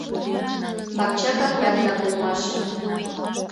Пакча капка денак улмаш...